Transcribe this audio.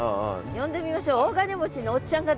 呼んでみましょう。